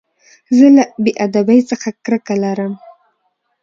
زه له بېادبۍ څخه کرکه لرم.